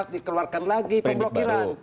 dikeluarkan lagi pemblokiran